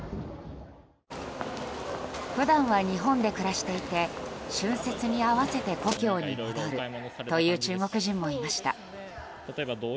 普段は日本で暮らしていて春節に合わせて故郷に戻るという中国人もいました。